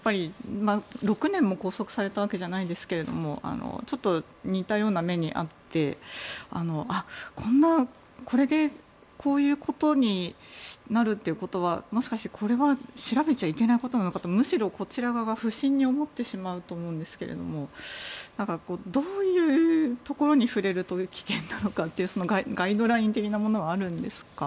６年も拘束されたわけじゃないですけどちょっと似たような目に遭ってこれでこういうことになるってことはもしかして、これは調べちゃいけないことなのかとむしろこちら側が不審に思ってしまうと思うんですがどういうところに触れると危険なのかというガイドライン的なことはあるんですか？